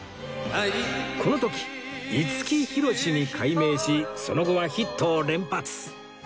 この時五木ひろしに改名しその後はヒットを連発